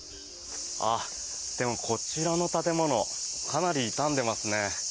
でも、こちらの建物かなり傷んでますね。